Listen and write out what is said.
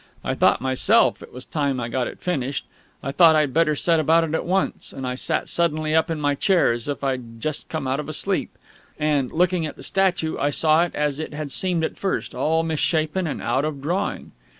I thought myself it was time I got it finished; I thought I'd better set about it at once; and I sat suddenly up in my chair, as if I'd just come out of a sleep. And, looking at the statue, I saw it as it had seemed at first all misshapen and out of drawing.